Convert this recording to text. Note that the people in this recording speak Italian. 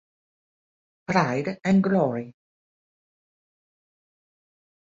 Pride and Glory